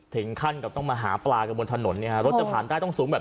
ถึงขั้นกับต้องมาหาปลากันบนถนนเนี่ยฮะรถจะผ่านได้ต้องสูงแบบ